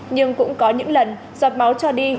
nhưng cũng có những lần giọt máu cho đi